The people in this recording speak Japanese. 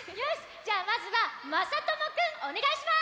じゃあまずはまさともくんおねがいします！